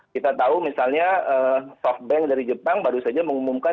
kita tahu misalnya softbank dari jepang baru saja mengumumkan